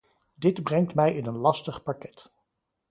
Dit brengt mij in een lastig parket.